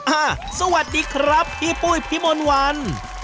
สวัสดีครับพี่ปุ้ยพี่มนต์วัน